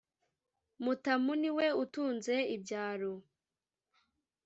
mutamu ni we utunze ibyaro